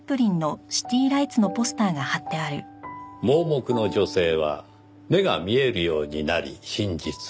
盲目の女性は目が見えるようになり真実を知った。